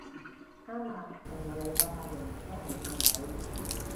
啱吖！仲有你個髮型都好襯你！